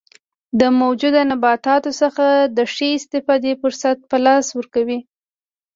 له موجوده نباتاتو څخه د ښې استفادې فرصت په لاس ورکوي.